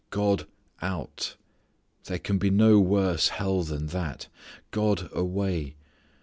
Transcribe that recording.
God out! There can be no worse hell than that! God away!